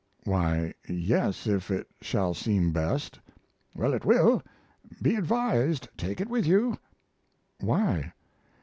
"Why yes, if it shall seem best." "Well, it will. Be advised. Take it with you." "Why?"